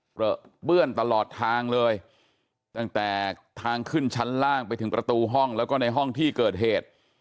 เปื้อนตลอดทางเลยตั้งแต่ทางขึ้นชั้นล่างไปถึงประตูห้องแล้วก็ในห้องที่เกิดเหตุ